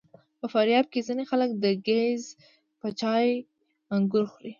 په فاریاب کې ځینې خلک د ګیځ په چای انګور خوري.